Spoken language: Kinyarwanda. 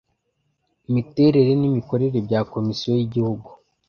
imiterere n’imikorere bya komisiyo y’ igihugu